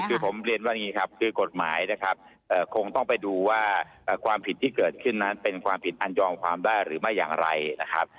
คือผมเรียนว่าอย่างนี้ครับคือกฎหมายนะครับคงต้องไปดูว่าความผิดที่เกิดขึ้นนั้นเป็นความผิดอันยอมความได้หรือไม่อย่างไรนะครับ